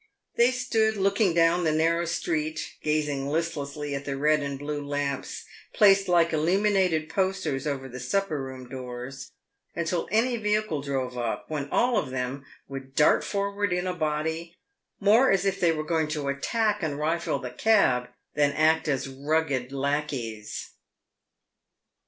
They stood looking down the narrow street, gazing listlessly at the red and blue lamps placed like illuminated posters over the supper room doors, until any vehicle drove up, when all of them would dart forward in a body, more as if they were going to attack and rifle the cab than act as ragged lacqueys.